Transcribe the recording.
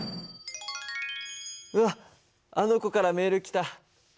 うわっあの子からメール来た。